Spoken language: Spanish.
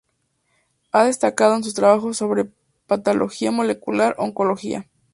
Ha destacado en sus trabajos sobre Patología molecular oncológica.